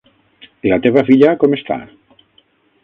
I la teva filla, com està?